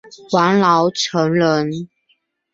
王尧臣人。